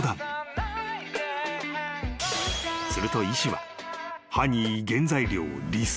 ［すると医師は］